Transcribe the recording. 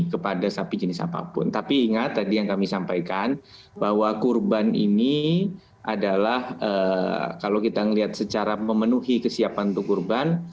tapi ingat tadi yang kami sampaikan bahwa kurban ini adalah kalau kita melihat secara memenuhi kesiapan untuk kurban